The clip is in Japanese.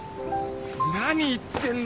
何言ってんだよ！